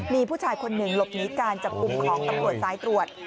มีผู้ชายคนหนึ่งหลบหนีการจับกลุ่มของตำรวจสายตรวจ